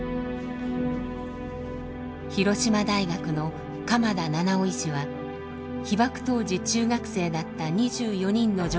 広島大学の鎌田七男医師は被爆当時中学生だった２４人の女